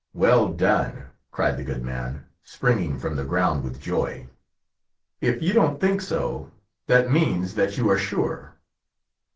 "Well done!" cried the good man, springing from the ground with joy; "if you don't think so, that means that you are sure."